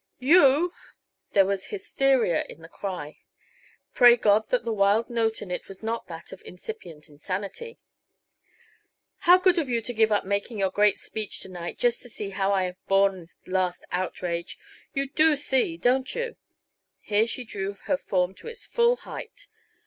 "You!" There was hysteria in the cry. Pray God that the wild note in it was not that of incipient insanity! "How good of you to give up making your great speech to night, just to see how I have borne this last outrage! You do see, don't you?" Here she drew her form to its full height.